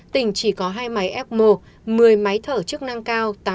tỉnh chỉ có hai máy f một một mươi máy thở chức năng cao